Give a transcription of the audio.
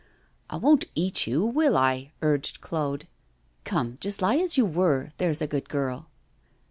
'I won't eat you, will I?' urged Claude. 'Come, just lie as you were, there's a good girl.